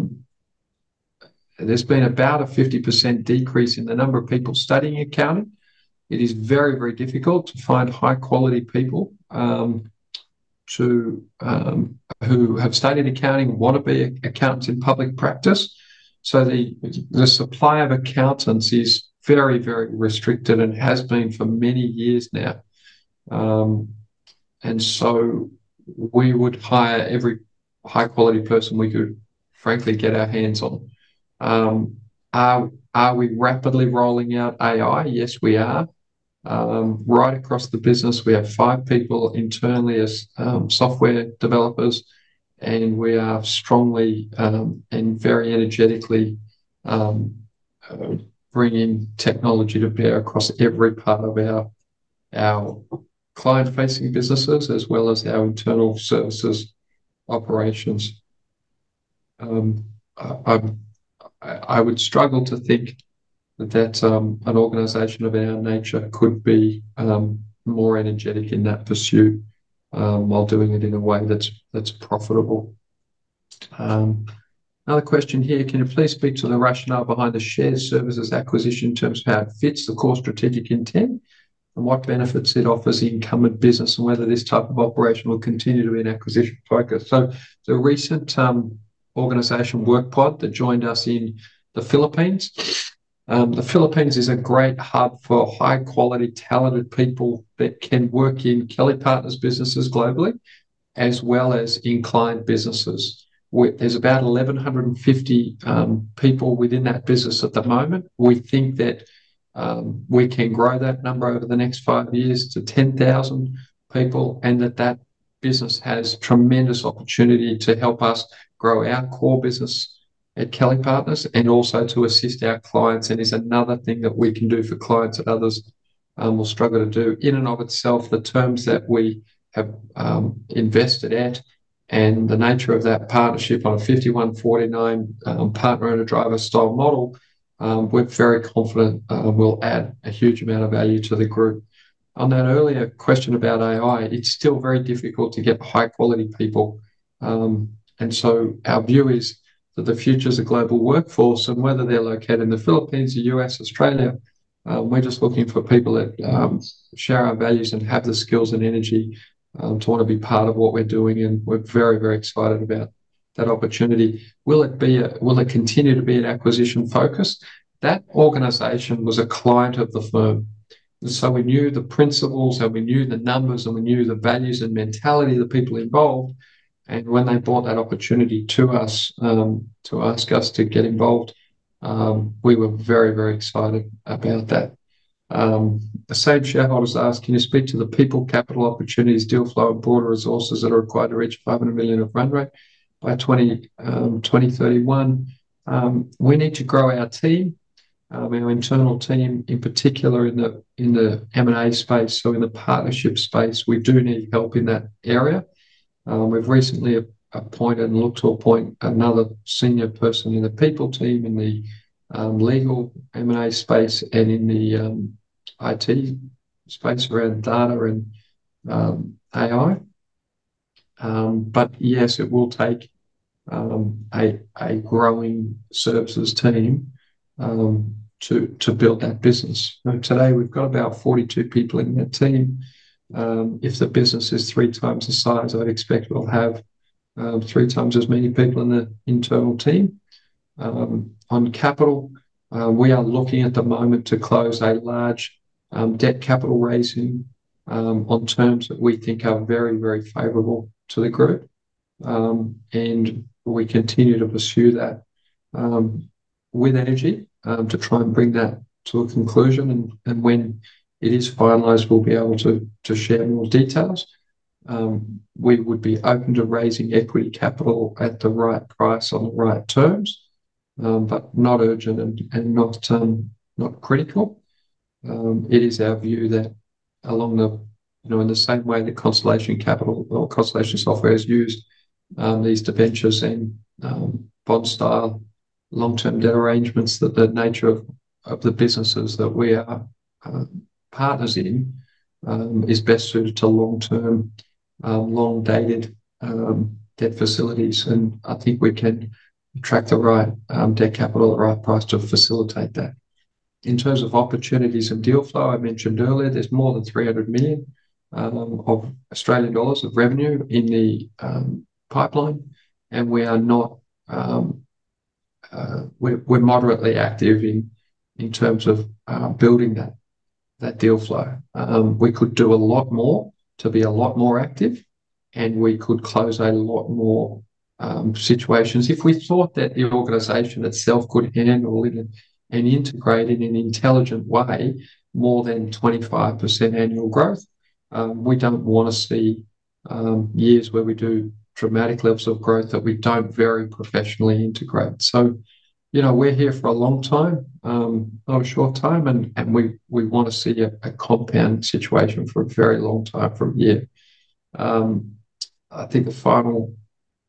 has been about a 50% decrease in the number of people studying accounting. It is very, very difficult to find high-quality people who have studied accounting and want to be accountants in public practice. The supply of accountants is very, very restricted and has been for many years now. We would hire every high-quality person we could, frankly, get our hands on. Are we rapidly rolling out AI? Yes, we are. Right across the business, we have five people internally as software developers, and we are strongly and very energetically bringing technology to bear across every part of our client-facing businesses as well as our internal services operations. I would struggle to think that an organization of our nature could be more energetic in that pursuit while doing it in a way that's profitable. Another question here. Can you please speak to the rationale behind the shared services acquisition in terms of how it fits the core strategic intent and what benefits it offers incumbent business and whether this type of operation will continue to be an acquisition focus? The recent organization WorkPod that joined us in the Philippines. The Philippines is a great hub for high-quality, talented people that can work in Kelly Partners businesses globally as well as inclined businesses. There's about 1,150 people within that business at the moment. We think that we can grow that number over the next five years to 10,000 people and that that business has tremendous opportunity to help us grow our core business at Kelly Partners and also to assist our clients. It is another thing that we can do for clients that others will struggle to do. In and of itself, the terms that we have invested at and the nature of that partnership on a 51-49 Partner and a Driver-style Model, we're very confident will add a huge amount of value to the group. On that earlier question about AI, it's still very difficult to get high-quality people. Our view is that the future is a Global Workforce and whether they're located in the Philippines, the U.S., Australia, we're just looking for people that share our values and have the skills and energy to want to be part of what we're doing. We're very, very excited about that opportunity. Will it continue to be an acquisition focus? That organization was a client of the firm. We knew the principals and we knew the numbers and we knew the values and mentality of the people involved. When they brought that opportunity to us to ask us to get involved, we were very, very excited about that. The same shareholders asked, can you speak to the people, capital opportunities, deal flow, and broader resources that are required to reach $500 million of run rate by 2031? We need to grow our team, our internal team, in particular in the M&A space. In the partnership space, we do need help in that area. We've recently appointed and looked to appoint another senior person in the people team, in the legal M&A space, and in the IT space around data and AI. Yes, it will take a growing services team to build that business. Today, we've got about 42 people in that team. If the business is three times the size, I'd expect we'll have three times as many people in the internal team. On capital, we are looking at the moment to close a large debt capital raising on terms that we think are very, very favorable to the group. We continue to pursue that with energy to try and bring that to a conclusion. When it is finalized, we'll be able to share more details. We would be open to raising equity capital at the right price on the right terms, but not urgent and not critical. It is our view that along the same way that Constellation Capital or Constellation Software has used these debentures and bond-style long-term debt arrangements, that the nature of the businesses that we are partners in is best suited to long-term, long-dated debt facilities. I think we can attract the right debt capital at the right price to facilitate that. In terms of opportunities and deal flow, I mentioned earlier, there's more than 300 million of revenue in the pipeline. We are not, we're moderately active in terms of building that deal flow. We could do a lot more to be a lot more active, and we could close a lot more situations. If we thought that the organization itself could handle and integrate in an intelligent way more than 25% annual growth, we do not want to see years where we do dramatic levels of growth that we do not very professionally integrate. We are here for a long time, not a short time, and we want to see a compound situation for a very long time from here. I think the final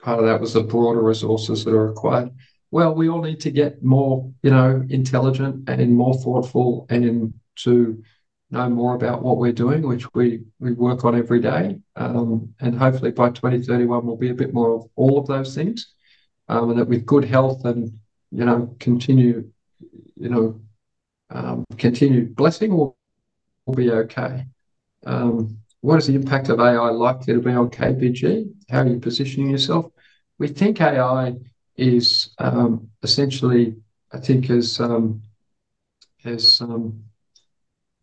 part of that was the broader resources that are required. We all need to get more intelligent and more thoughtful and to know more about what we are doing, which we work on every day. Hopefully, by 2031, we will be a bit more of all of those things. With good health and continued blessing, we will be okay. What is the impact of AI likely to be on KPG? How are you positioning yourself? We think AI is essentially, I think, as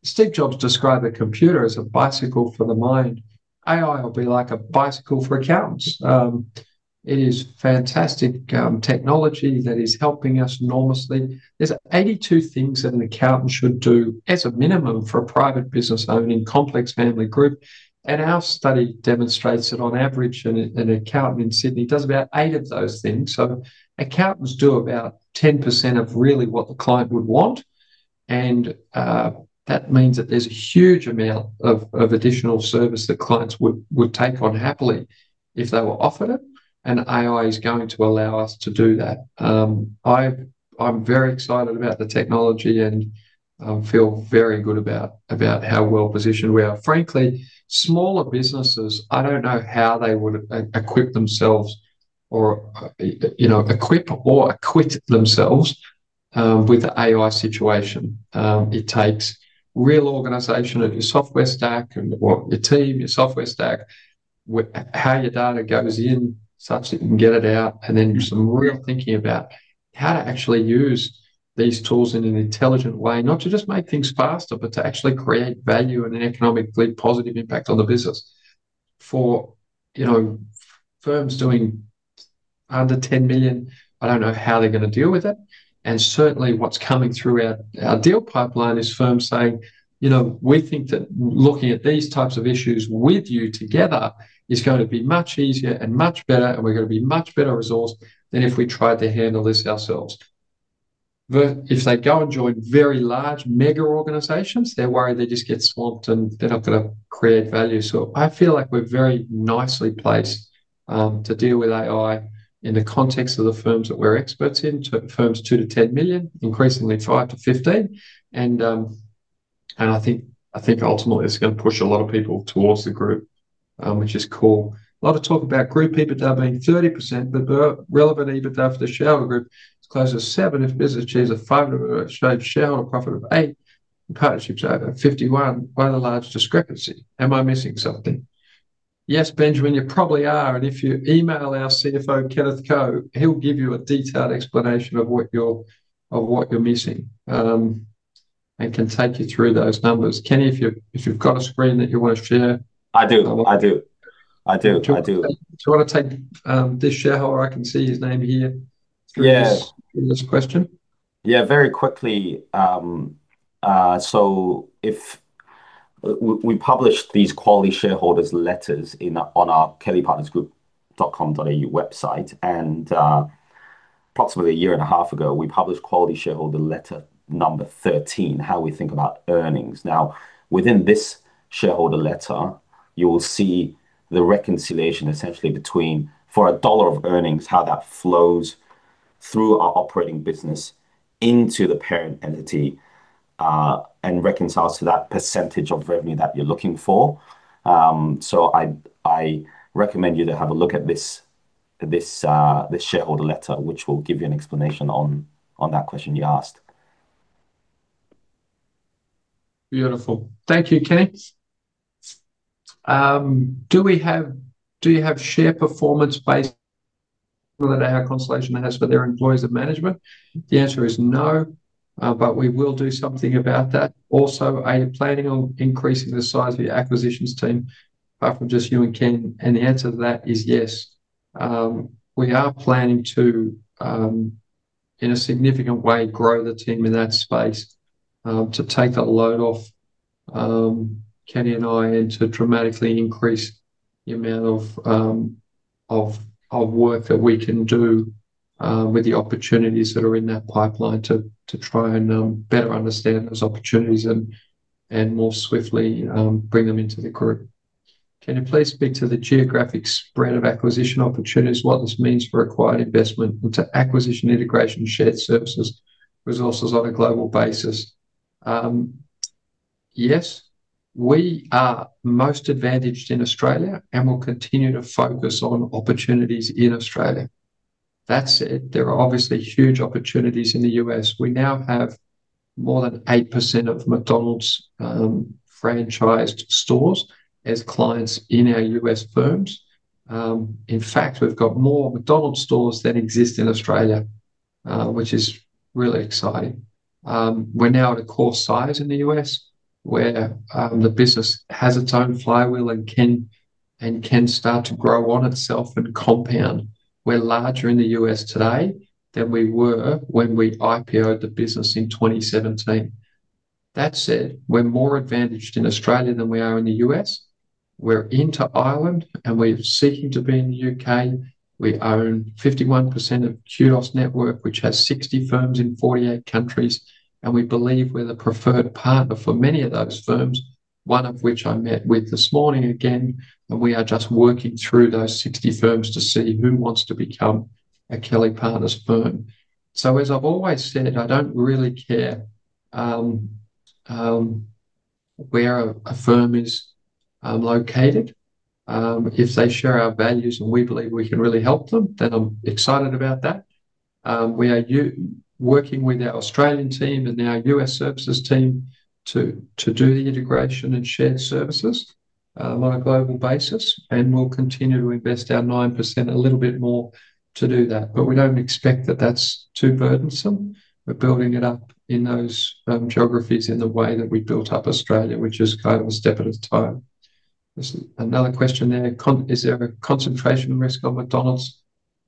Steve Jobs described a computer as a bicycle for the mind. AI will be like a bicycle for accountants. It is fantastic technology that is helping us enormously. There are 82 things that an accountant should do as a minimum for a private business owning complex family group. Our study demonstrates that on average, an accountant in Sydney does about eight of those things. Accountants do about 10% of really what the client would want. That means that there is a huge amount of additional service that clients would take on happily if they were offered it. AI is going to allow us to do that. I am very excited about the technology and feel very good about how well-positioned we are. Frankly, smaller businesses, I don't know how they would equip themselves or equip or acquit themselves with the AI situation. It takes real organization and your software stack and your team, your software stack, how your data goes in such that you can get it out, and then some real thinking about how to actually use these tools in an intelligent way, not to just make things faster, but to actually create value and an economically positive impact on the business. For firms doing under $10 million, I don't know how they're going to deal with it. Certainly, what's coming through our deal pipeline is firms saying, "We think that looking at these types of issues with you together is going to be much easier and much better, and we're going to be much better resourced than if we tried to handle this ourselves." If they go and join very large mega organizations, they're worried they just get swamped and they're not going to create value. I feel like we're very nicely placed to deal with AI in the context of the firms that we're experts in, firms $2 million-$10 million, increasingly $5 million-$15 million. I think ultimately it's going to push a lot of people towards the group, which is cool. A lot of talk about group EBITDA being 30%, but the relevant EBITDA for the shareholder group is closer to 7% if business achieves a 5% shareholder profit of 8%. Partnerships are over 51. Why the large discrepancy? Am I missing something? Yes, Benjamin, you probably are. If you email our CFO, Kenneth Ko, he'll give you a detailed explanation of what you're missing and can take you through those numbers. Kenny, if you've got a screen that you want to share. I do. Do you want to take this shareholder? I can see his name here. Yes. In this question. Yeah, very quickly. We published these quality shareholders letters on our kellypartnersgroup.com.au website. Approximately a year and a half ago, we published quality shareholder letter number 13, how we think about earnings. Now, within this shareholder letter, you will see the reconciliation essentially between for a dollar of earnings, how that flows through our operating business into the parent entity and reconciles to that percentage of revenue that you're looking for. I recommend you to have a look at this shareholder letter, which will give you an explanation on that question you asked. Beautiful. Thank you, Kenny. Do we have share performance based on what our consolidation has for their employees and management? The answer is no, but we will do something about that. Also, are you planning on increasing the size of your acquisitions team apart from just you and Ken? The answer to that is yes. We are planning to, in a significant way, grow the team in that space to take the load off Kenny and I and to dramatically increase the amount of work that we can do with the opportunities that are in that pipeline to try and better understand those opportunities and more swiftly bring them into the group. Can you please speak to the geographic spread of acquisition opportunities, what this means for acquired investment into acquisition, integration, shared services, resources on a global basis? Yes, we are most advantaged in Australia and will continue to focus on opportunities in Australia. That said, there are obviously huge opportunities in the U.S. We now have more than 8% of McDonald's franchised stores as clients in our US firms. In fact, we've got more McDonald's stores than exist in Australia, which is really exciting. We're now at a core size in the U.S. where the business has its own flywheel and can start to grow on itself and compound. We're larger in the U.S. today than we were when we IPO the business in 2017. That said, we're more advantaged in Australia than we are in the U.S. We're into Ireland and we're seeking to be in the U.K. We own 51% of Kudos Network, which has 60 firms in 48 countries. We believe we're the preferred partner for many of those firms, one of which I met with this morning again. We are just working through those 60 firms to see who wants to become a Kelly Partners firm. As I've always said, I don't really care where a firm is located. If they share our values and we believe we can really help them, then I'm excited about that. We are working with our Australian team and our US services team to do the integration and shared services on a global basis. We'll continue to invest our 9% a little bit more to do that. We do not expect that that's too burdensome. We're building it up in those geographies in the way that we built up Australia, which is kind of a step at a time. Another question there. Is there a concentration risk on McDonald's?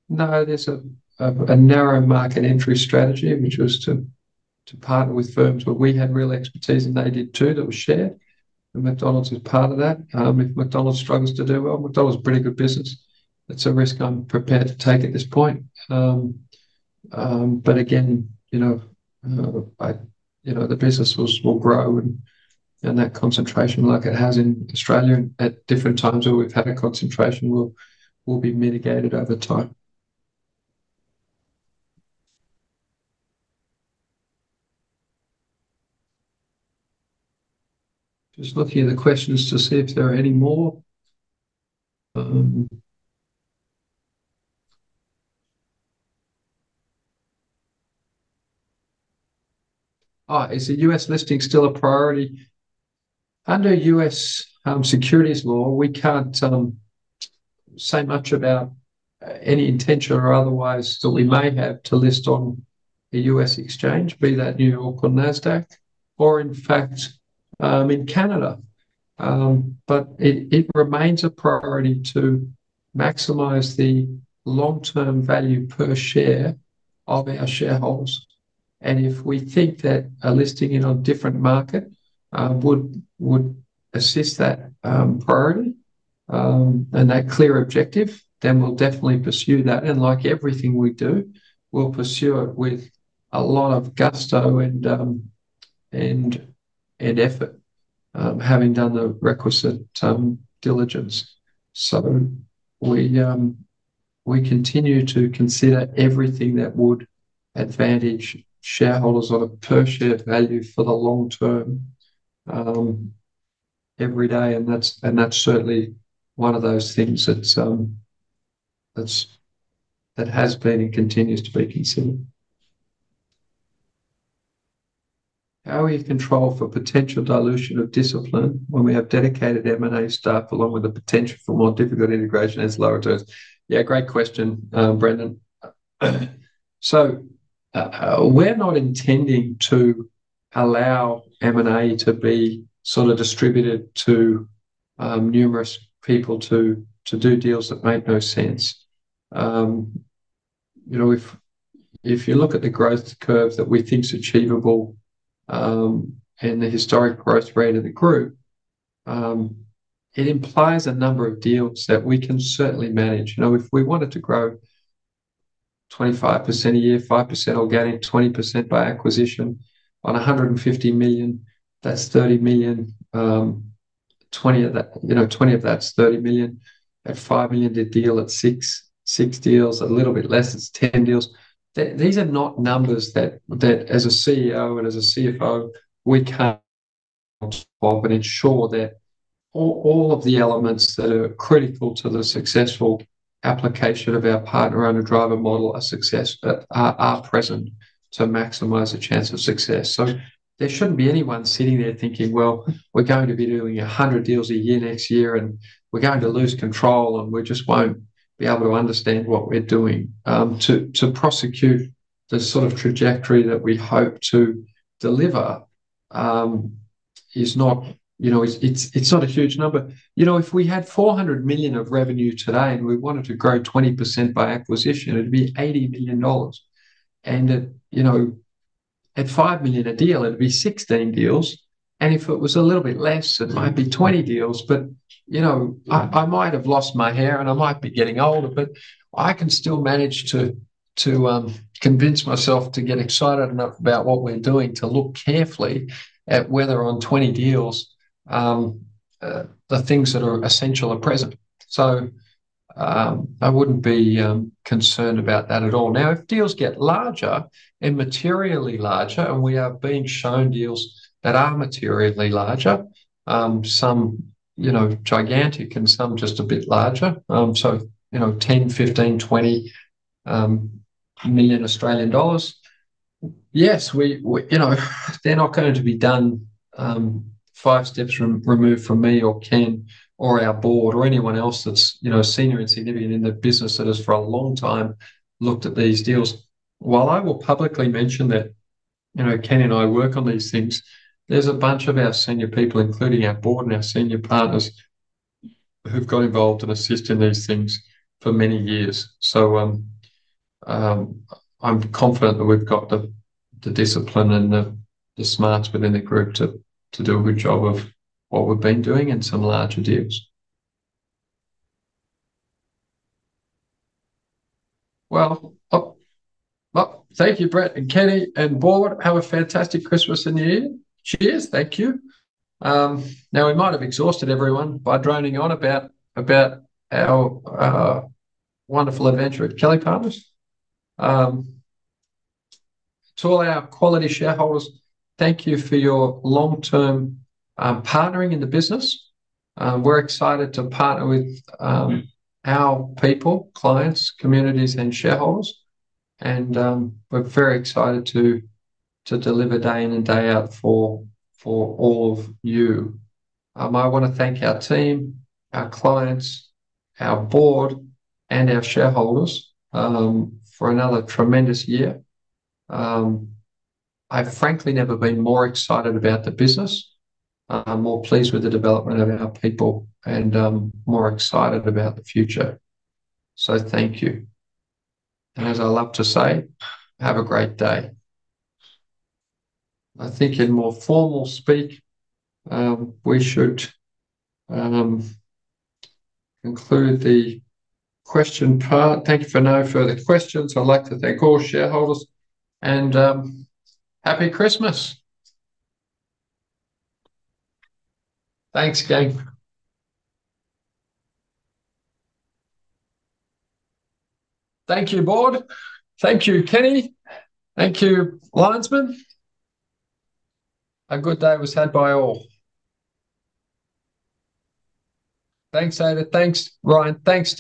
No, there's a narrow market entry strategy, which was to partner with firms where we had real expertise and they did too that was shared. McDonald's is part of that. If McDonald's struggles to do well, McDonald's is a pretty good business. It's a risk I'm prepared to take at this point. Again, the business will grow and that concentration, like it has in Australia at different times where we've had a concentration, will be mitigated over time. Just looking at the questions to see if there are any more. Is the US listing still a priority? Under US securities law, we can't say much about any intention or otherwise that we may have to list on a US exchange, be that New York or NASDAQ, or in fact in Canada. It remains a priority to maximize the long-term value per share of our shareholders. If we think that a listing in a different market would assist that priority and that clear objective, then we'll definitely pursue that. Like everything we do, we'll pursue it with a lot of gusto and effort, having done the requisite diligence. We continue to consider everything that would advantage shareholders on a per-share value for the long term every day. That's certainly one of those things that has been and continues to be considered. How are we in control for potential dilution of discipline when we have dedicated M&A staff along with the potential for more difficult integration as lower terms? Yeah, great question, Brendan. We're not intending to allow M&A to be sort of distributed to numerous people to do deals that make no sense. If you look at the growth curve that we think is achievable and the historic growth rate of the group, it implies a number of deals that we can certainly manage. If we wanted to grow 25% a year, 5% organic, 20% by acquisition on $150 million, that's $30 million. 20% of that's $30 million. At $5 million, the deal at 6. Six deals, a little bit less, it's ten deals. These are not numbers that, as a CEO and as a CFO, we can't top up and ensure that all of the elements that are critical to the successful application of our partner under driver model are present to maximize the chance of success. There shouldn't be anyone sitting there thinking, "We're going to be doing 100 deals a year next year and we're going to lose control and we just won't be able to understand what we're doing." To prosecute the sort of trajectory that we hope to deliver is not, it's not a huge number. If we had $400 million of revenue today and we wanted to grow 20% by acquisition, it'd be $80 million. And at $5 million a deal, it'd be sixteen deals. If it was a little bit less, it might be 20 deals. I might have lost my hair and I might be getting older, but I can still manage to convince myself to get excited enough about what we're doing to look carefully at whether on 20 deals, the things that are essential are present. I would not be concerned about that at all. Now, if deals get larger and materially larger, and we are being shown deals that are materially larger, some gigantic and some just a bit larger, so 10 million, 15 million, 20 million Australian dollars, yes, they are not going to be done five steps removed from me or Ken or our board or anyone else that is senior and significant in the business that has for a long time looked at these deals. While I will publicly mention that Ken and I work on these things, there's a bunch of our senior people, including our board and our senior partners, who've got involved and assisted in these things for many years. I am confident that we've got the discipline and the smarts within the group to do a good job of what we've been doing and some larger deals. Thank you, Brett and Kenny and board. Have a fantastic Christmas and New Year. Cheers. Thank you. Now, we might have exhausted everyone by droning on about our wonderful adventure at Kelly Partners. To all our quality shareholders, thank you for your long-term partnering in the business. We are excited to partner with our people, clients, communities, and shareholders. We are very excited to deliver day in and day out for all of you. I want to thank our team, our clients, our board, and our shareholders for another tremendous year. I've frankly never been more excited about the business, more pleased with the development of our people, and more excited about the future. Thank you. As I love to say, have a great day. I think in more formal speak, we should conclude the question part. Thank you for no further questions. I'd like to thank all shareholders and happy Christmas. Thanks again. Thank you, board. Thank you, Kenny. Thank you, Lindsley. A good day was had by all. Thanks, Ada. Thanks, Ryan. Thanks.